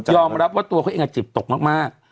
ยอมรับว่าตัวเขาจิบตกมาก